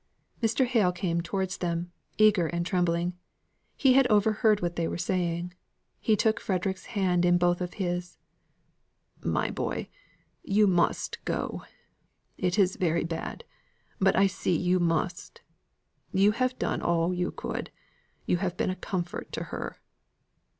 Mr. Hale came towards them, eager and trembling. He had overheard what they were saying. He took Frederick's hand in both of his: "My boy, you must go. It is very bad but I see you must. You have done all you could you have been a comfort to her."